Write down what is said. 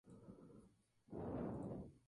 Fue a Roma y con Mons.